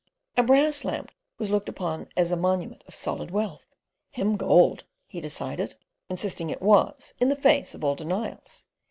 A brass lamp was looked upon as a monument of solid wealth, "Him gold," he decided, insisting it was in the face of all denials.